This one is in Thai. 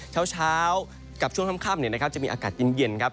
เช้ากับช่วงค่ำจะมีอากาศเย็นครับ